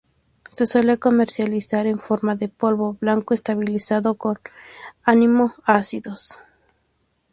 Se suele comercializar en forma de polvo blanco estabilizado con amino ácidos.